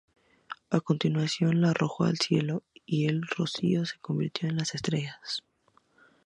A continuación, la arrojó al cielo, y el rocío se convirtió en las estrellas.